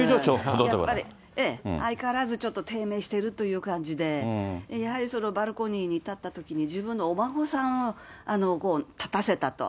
やっぱり、相変わらずちょっと低迷しているという感じで、やはりバルコニーに立ったときに、自分のお孫さんを立たせたと。